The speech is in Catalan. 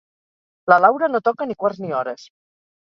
La Laura no toca ni quarts ni hores.